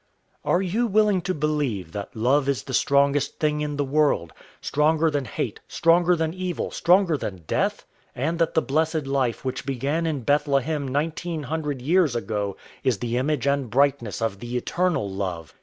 Are you willing to believe that love is the strongest thing in the world stronger than hate, stronger than evil, stronger than death and that the blessed life which began in Bethlehem nineteen hundred years ago is the image and brightness of the Eternal Love?